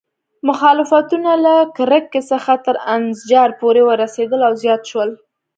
مخالفتونه له کرکې څخه تر انزجار پورې ورسېدل او زیات شول.